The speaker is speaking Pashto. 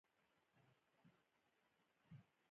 د دې لاندې پوښتنو په لړ کې د زده کوونکو پوهه وارزول شي.